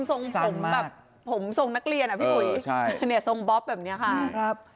ทรงผมแบบผมทรงนักเรียนอะพี่หุยทรงบ๊อบแบบนี้ค่ะนี่ครับสั้นมาก